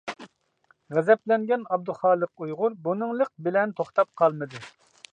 غەزەپلەنگەن ئابدۇخالىق ئۇيغۇر بۇنىڭلىق بىلەن توختاپ قالمىدى.